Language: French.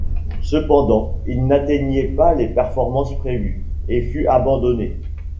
Cependant, il n’atteignait pas les performances prévues, et fut abandonné.